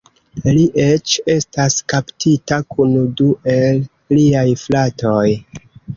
Li eĉ estas kaptita kun du el liaj fratoj.